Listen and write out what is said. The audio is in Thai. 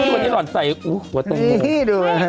วันนี้หล่อนใส่โอ้โฮหัวตรงเหมือน